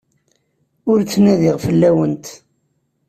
Ur ttnadiɣ fell-awent.